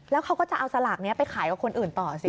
แล้วเขาก็จะเอาสลากนี้ไปขายกับคนอื่นต่อสิ